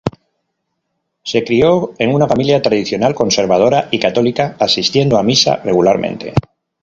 Se crio en una familia tradicional, conservadora y católica, asistiendo a misa regularmente.